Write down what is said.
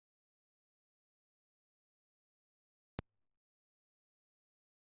রহমত আল্লাহর গুণ বা বৈশিষ্ট্য।